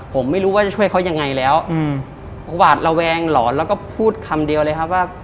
ผมไม่รู้ว่าจะช่วยเขายังไงแล้วอืมหวาดระแวงหลอนแล้วก็พูดคำเดียวเลยครับว่า